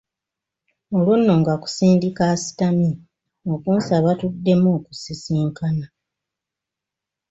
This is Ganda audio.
Olwo nno nga kusindika asitamye okunsaba tuddemu okusisinkana.